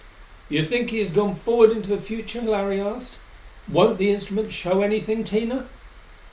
"You think he has gone forward into the future?" Larry asked. "Won't the instrument show anything, Tina?"